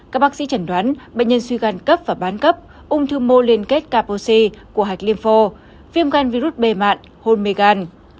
các bác sĩ chẳng đoán bệnh nhân suy gan cấp và bán cấp ung thư mô liên kết caposi của hạt lympho viêm gan virus b mạn hôn mê gan